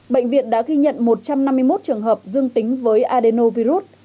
bệnh viện đã ghi nhận một trăm năm mươi một trường hợp dương tính với adenovirus